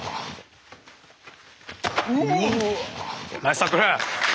ナイスタックル！